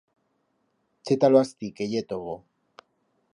Cheta-lo astí que ye tovo.